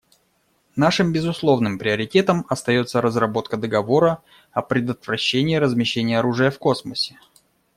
Нашим безусловным приоритетом остается разработка договора о предотвращении размещения оружия в космосе.